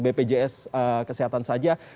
bpjs kesehatan saja